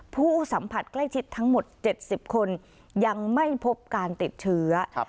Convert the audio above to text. ผู้สัมผัสใกล้ชิดทั้งหมด๗๐คนยังไม่พบการติดเชื้อ